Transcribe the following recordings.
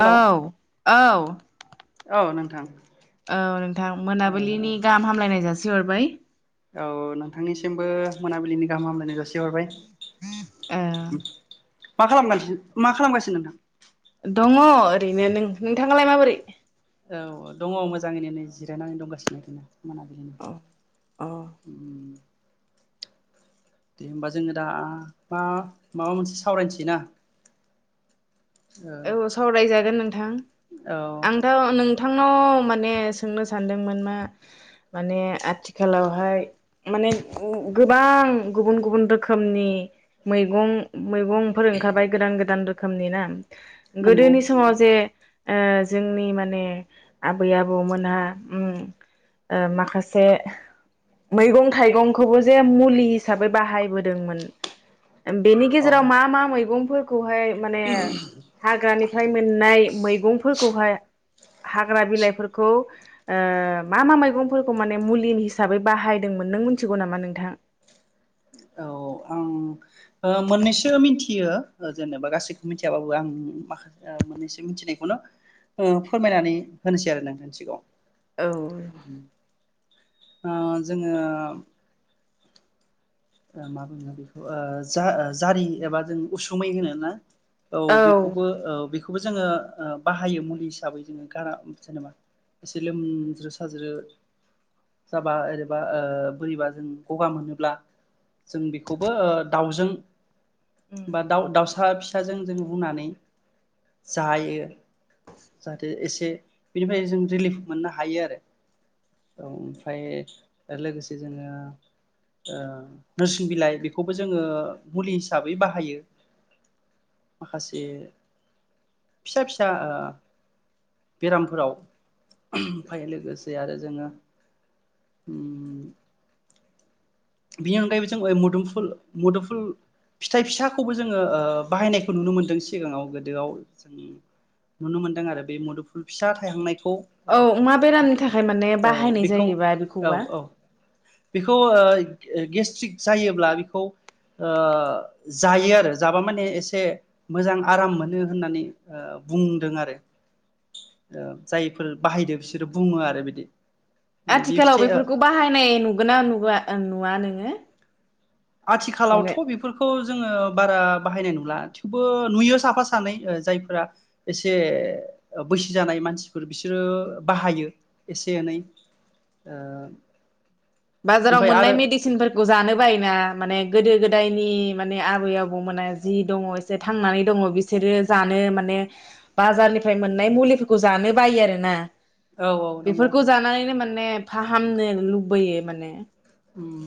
Hello औ औ औ नोंथां औ नोंथां मोनाबिलिनि गाहाम हामलायनाय जास सिहरबाय औ नोंथांनिसिमबो मोनाबिलिनि गाहाम हामलायनाय जासिहरबाय ओ [inaudible] मा खालामगासिनो मा खालामगासिनो नोंथां? दङ ओरैनो नों नोंथाङालाय माबोरै? औ दङ मोजाङैनो नै जिरायनानै दंगासिनो आरोना अ मोनाबिलिनि अ उम उम दे होमबा जोङो दा मा माबा मोनसे सावरायनसै ना औ सावराय जा गोन नोंथां औ आंथाव नों नोंथांनाव माने सोंनो सानदों मैगंफोर ओंखारबाय गोदान गोदान दो रोखोमनि ना नंगौ गोदोनि समाव जे ओ जोंनि माने आबै आबौमोनहा उम ओ माखासे मैगं थाइगंखौबो जे मुलि हिसाबै बाहायबोदोंमोन। बेनि औ गेजेराव मा मा मैगं फोरखौहाय [inaudible] हाग्रानिफ्राय मोननाय नाय मैंगंफोरखौहाय हाग्रा बिलाइफोरखौ ओ मा मा मैगंफोरखौ माने मुलि हिसाबै बाहायदोंमोन नों मिन्थिगौ नामा नोंथां? औ आं ओ मोननैसो मिथियो। ओ जेनेबा गासैखौबो मिथियाबाबो आं माखासे आ मोननैसो मिथिनायखौनो ओ फोरमायनानै होनोसै आरो नोंथांनि सिगांआव औ ओ जोङो ओ मा बुङो बेखौ ओ जा जारि एबा जों उसुमै होनो ना? औ बेखौबो औ बेख खौबो ओ जोङो बाहायो मुलि हिसाबै जोङो गारा जेनेबा एसे लोमज्रो साज्रो जाबा एरैबा बोरैबा जों गगा मोनोब्ला जों बेखौबो ओ दाउजों बा दाउ दाउसा फिस फिसा जोंजों रुनानै जायो जाहाथे एसे बेनिफ्राय जों रिलिफ मोननो हायो आरो ओमफ्राय लोगोसे जोङो ओ नोरसिं बिलाइ बेखौबो जोङो मुलि हिसाबै बाहायो माखासे फिसा फिसा ओ बेरामफोराव ओमफ्राय लोगोसे आरो जोङो उम बिनि अनगायैबो जों मोदुमफुल मुदुफुल फिथाइ फिसाखौबो जोङो ओ बाहायनायखौ नुनो मोनदों सिगाङाव गोदोआव जों नुनो मोनदों आरो बे मुदुफुल फिसा थायहांनायखौ ओ औ अमा बेरामनि थाखाय माने औ बाहायनाय बेखौ जायोबा औ बेखौबा बेखौ ओइ ओ गेस्ट्रिक जायोब्ला बेखौ ओ जायो आरो जाबा माने एसे मोजां आराम मोनो होननानै ओ बुंदों आरो ओ जायफोर बाहायदो बिसोरो बुङो आरो बिदि माने बे आथिखालाव फिथाइया बेफोरखौ बाहायनाय नुगोना नुवा नुवा नों हो आथिखालावथ' बेफोरखौ जोङो बारा बाहायनाय नुला थेवबो नुयो साफा सानै ओ जायफोरा एसे बैसो जानाय मानसिफोर बिसोरो बाहायो एसे एनै ओ बाजाराव ओमफ्राय मोननाय आरो मेडिसिनफोरखौ जानो बायो ना? माने गोदो गोदायनि माने आबै आबौमोना जि दङ एसे थांनानै दङ बिसोरो जानो माने बाजारनिफ्राय मोननाय मुलिफोरखौ जानो बायो आरो ना औ औ नंगौ बेफोरखौ जानानैनो माने फाहामनो लुबैयो। माने ओं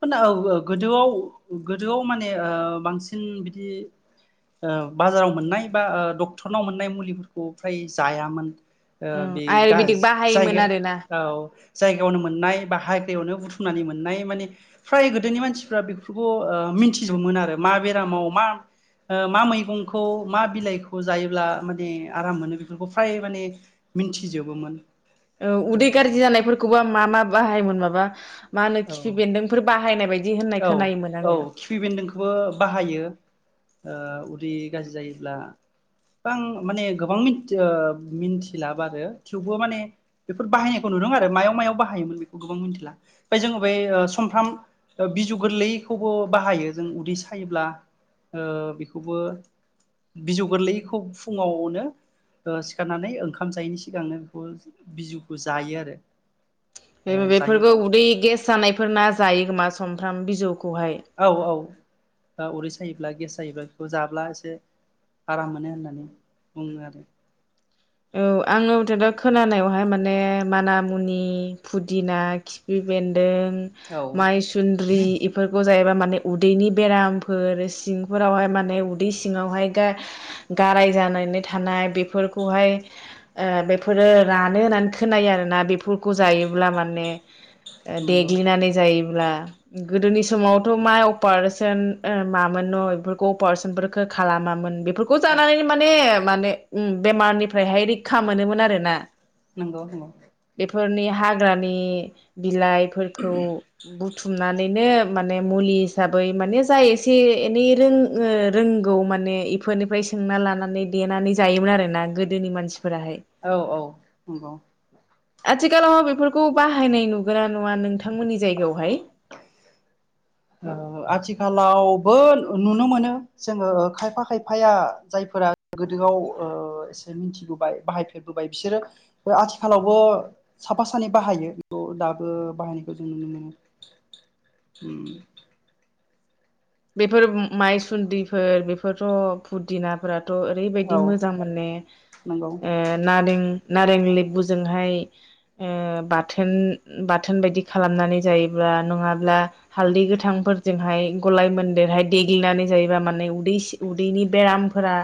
फोना औ औ गोदोआव गोदोआव माने ओ बांसिन बिदि ओ बाजाराव मोननाय बा ओ डक्टरनाव मोननाय मुलिफोरखौ फ्राय जायामोन ओ उम बे गाज आयुरवेदिक बाहायोमोन जायगा आरोना औ जायगायावनो मोननाय बाहाय यावनो बु थुमनानै मोननाय माने फ्राय गोदोनि मानसिफ्रा बेफोरखौ ओ मिथिजोबोमोन आरो मा बेरामाव मा ओ मा मैगंखौ मा बिलाइखौ जायोब्ला माने आराम मोनो बेफोरखौ फ्राय माने मिथिजोबोमोन। औ उदै गाज्रि जानायफोरखौबो मा मा बाहायोन माबा मा होनो औ खिफि बेन्दोंफोर बाहायनाय बायदि होननाय औ खोनायोमोन औ आङो खिफि बेन्दोंखौबो बाहायो ओ उदै गाज्रि जायोब्ला बां माने गोबांथि मिथ ओ मिन्थिला बारो थेवबो माने बेफोर बाहायनायखौ नुदों आरो मायाव मायाव बाहायोमोन बेखौ गोबां मिथिला ओमफ्राय जोङो ओ समफ्राम ओ बिजौ गोरलैखौबो बाहायो जों उदै सायोब्ला ओ बेखौबो बिजौ गोरलैखौ फुङावनो ओ सिखारनानै ओंखाम जायैनि सिगांनो बेखौ बिजौखौ जायो आरो। बे ओ बेफोरबो जायोब्ला उदै गेस जानायफोरना जायो खोमा समफ्राम बिजौ औ औ बा उदै सायोब्ला गेस जायोब्ला बेखौ जाब्ला एसे आराम मोनो होननानै बुङो आरो। औ आंनि मथे थ खोनानायावहाय माने माना मुनि फुदिना खिफि बेन्दों औ माइसुन्द्रि इफोरखौ जायोबा माने उदैनि बेरामफोर सिंफोरावहाय माने उदै सिङावहाय गाराय जानानै थानाय बेफोरखौहाय ओ बेफोरो रानो होननानै खोनायो आरोना बेफोरखौ जायोब्ला माने नंगौ देग्लिनानै जायो ब्ला गोदोनि समावथ' माइ अपारेशन ओ मामोन न' बेफोरखौ अपारेशनफोरखौ खालामामोन बे फोरखौ जानानै माने माने उम बेमारनि फ्रायहाय रैखा मोनोमोन आरो ना नंगौ नंगौ फोरनि हाग्रानि बिलाइफोरखौ बुथुमनानैनो माने मुलि हिसाबै माने जाय एसे एनै रों रोंगौ माने इफोरनिफ्राय सोंना लानानै देनानै जायोमोन आरोना गो दोनि मानसि औ औ नंगौ आथिखालाव बेफोरखौ बाहायनाय नुगोना नङा नोंथांमोननि जायगायावहाय आथिखालावबो नुनो मोनो जोङो खायफा खायफाया जायफोरा गोदोआव ओ एसे मिथिबोबाय बाहायफेरबोबाय बिसोरो आथिखालावबो साफा सानै बाहायो बेयाव दाबो बाहायनायखौ जों नुनो मोनो उम बेफोर माइसुदिफोर बेफोरथ' फुदिनाफोरा थ' ओरैबायदि औ मोजां मोने नंगौ नारिं नारें लेबुजोंहाय ओ बाथोन बाथोन बायदि खालामनानै जायोब्ला नङाब्ला हालदै गोथांफोरजोंहाय गलाय मोनदेरहाय देग्लिनानै जायोबा माने उदै उदैनि बेरामफोरा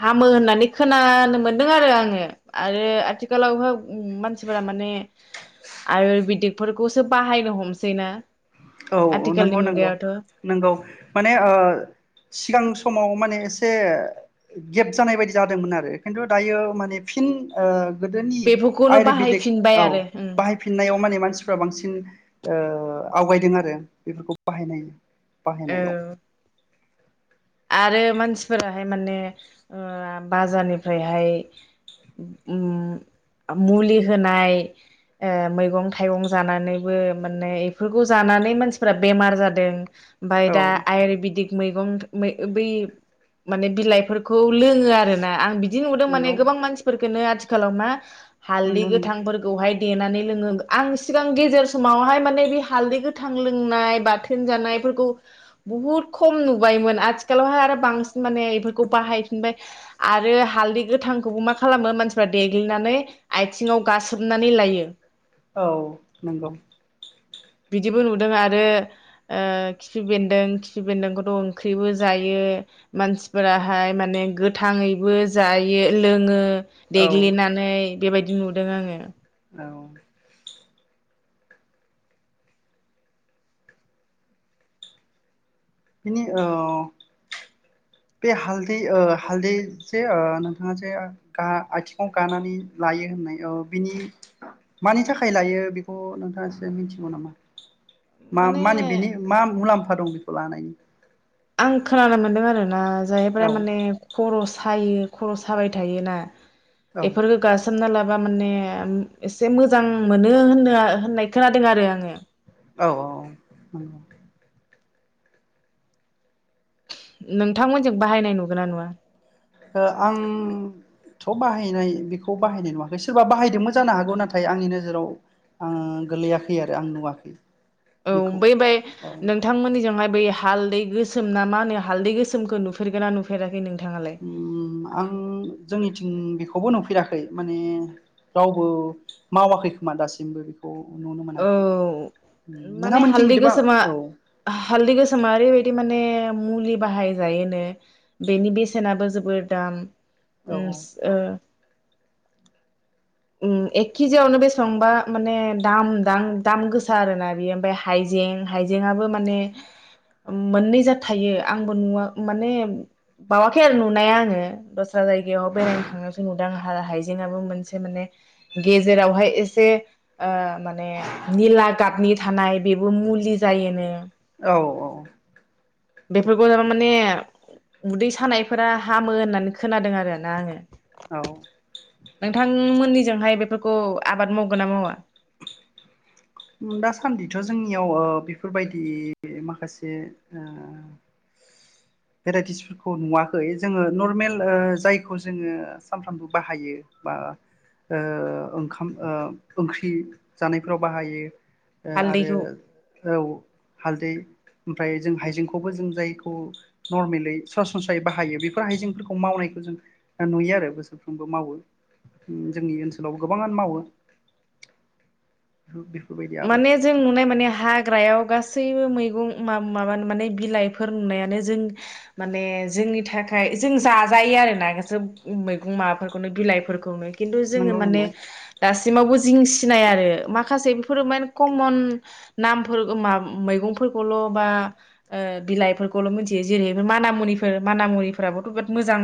हामो होननानै खोनानो मोनदों आरो आङो आरो आथिखालावहाय मानसिफोरा माने आयुरबेदिकफोरखौसो बाहायनो हमसै ना औ नंगौ नंगौ नंगौ माने अ सिगां समाव माने एसे गेब जानाय बायदि जादोंमोन आरो खिन्थु दायो माने फिन ओ गोदोनि बेफोरखौनो आयुरवेदिक बाहायफिनबाय औ आरो उम बाहायफिननायाव माने मानसिफ्रा बांसिन ओ आवगायदों आ रो बेफोरखौ बाहायनाय बाहायनायाव। औ आरो मानसिफोराहाय माने ओ बाजारनिफ्रायहाय ओम मुलि होनाय ओ मैगं थाइगं जानानैबो माने बेफोरखौ जानानै मानसिफोरा बेमार जादों। ओमफ्राय औ दा आयुरवेदिक मैगं मै बै माने बिलाइफोरखौ लोङो आरोना आं बि दि नुदों माने नंगौ गोबां मानसिफोरखोनो आथि खालाव मा हालदै नंगौ नंगौ गोथांफोरखौहाय देनानै लोङो आं सिगां गेजेर समावहाय माने बे हालैखौ गोथां लों नाय बाथोन जानायफोरखौ बहुद खम नुबायमोन। आथिखालावहाय आरो बांसिन माने बेफोरखौ बाहायफिनबाय आरो हालदै गोथांखौबो मा खालामो मानसिफ्रा देग्लिनानै आथिङाव गासोमनानै लायो। औ नंगौ। बिदिबो नुदों आरो ओ खिफि बेन्दों खिफि बेन्दोंखौथ' ओंख्रिबो जायो मानसिफोराहाय माने गोथाङैबो जायो लोङो औ देग्लिनानै बेबायदि नुदों आङो। औ। बिनि औ बे हालदै ओ हालदै जे ओ नोंथाङाजे गा आथिङाव गानानै लायो होननाय बिनि मानि थाखाय लायो बेखौ नोंथाङा एसे मिथिगौ नामा? मा माने मानि बिनि मा मुलाम्फा दं लानायनि? आं खोनानो मोन्दों आरो दा जाहैफोरा औ माने खर' सायो, खर' साबाय थायोना, औ बेफोरखौ गासोमना लाब बा माने ओम एसे मोजां मोनो होनो होननाय खोनादों आरो आङो। औ औ। नोंथांमोनजों बाहायनाय नुगोनना नुवा? ओ आं थ' बाहायनाय बेखौ बाहायनाय नुवाखै, सोरबा बाहायदोंमोन जानो हागौ। नाथाय आंनि नोजोराव आं गोलैयाखै आरो आं नुवाखै औ बेखौ बै बाय औ नोंथांमोननिजोंहाय बै हालदै गोसोम ना मा होनो? हालदै गोसोमखौ नुफेरगोना नुफेराखै नोंथाङालाय उम आं जोंनिथिं बे खौबो नुफेराखै माने रावबो मावाखै खोमा दासिमबो बेखौ नुनो औ मोनाखै माने नोंथांमोनथिं हालदै बिदिबा गोसोमा औ हालदै गोसोमा ओरैबायदि माने मुलि बाहायजायोनो बेनि बेसेनाबो जोबोर दाम। औ ओम ओ उम एकखिजेआवनो बेसेबांबा माने दाम दाम गोसा आरोना बेयो ओमफ्राय हाइजें हाइजेंआबो माने मोननै ज थायो आंबो नुव माने बावाखै आरो नुनाया आङो दस्रा जायगायाव बेरायनो थांनायसो नुदों आंहा हाइजेंबो मोनसे माने गेजेरावहाय एसे माने निला गाबनि थानाय बेबो मुलि जायोनो औ औ बेफोरखौ जाबा माने उदै सानायफोरा हामो होननानै खोनादों आरो ना आङो औ नोंथांमोननिजोंहाय बेफोरखौ आबाद मावगोन ना मावा दासान्दिथ' जोंनियाव बेफोरबायदि माखासे भेराइटिसफोरखौ नुवाखै जोङो नर्मेल जायखौ जोङो सानफ्रामबो बाहायो बा ओंखाम ओंख्रि जानायफोराव बाहायो [inaudible] आरो हालदैखौ औ हालदै ओमफ्राय जों हाइजेंखौबो जों जायखौ नरमेलि सरासनस्रायै बाहायो बेफोर हाइजेंफोरखौ मावनायखौ जों नुयो आरो बोसोरफ्रोमबो मावो जोंनि ओनसोलाव गोबाङानो मावो बेफोरबायदि माने आबादखौ जों नुनाय माने हाग्रायाव गासैबो गासैबो मैगं माब माने बिलाइफोर नुनायानो जों माने जोंनि थाखाय जों जाजायो आरोना गासो मैगं माबाफोरखौनो बिलाइफोरखौनो खिन्थु जोङो नंगौ माने नंगौ दासिम सिमावबो जिं सिनाया आरो माखासे माने कमन नामफोरखौल' मैफोरखौल' बा बिलाइफोरखौल' मिथियो जेरै माना मनिफोर माना मनिफोराबोथ' बि जोबोद मोजां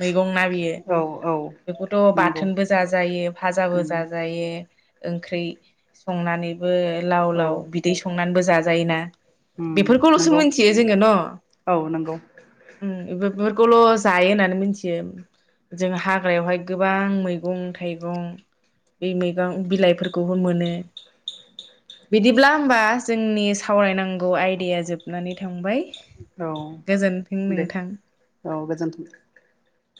मै दंना बियो औ औ बेखौथ' नंगौ बाथोनबो जाजायो औ फाजाबो जाजायो ओंख्रि संनानै बो लाव लाव बिदै संनानैबो जाजा जाजायोना बेफोरखौल'सो नंगौ मिथियो जोङो औ नंगौ न' बे बेफोरखौल' जायो होननानै मिथियो जों हाग्रायावहाय गोबां मैगं थाइगं बे मैगं बिलाइफोरखौबो मोनो बिदिब्ला होमबा जोंनि सावरायनांगौ आयदाया जोबनानै थांबाय औ गोजोनथों नोंथां जोनथों